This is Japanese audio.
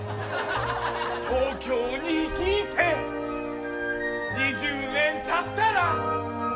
「東京に来て２０年たったら」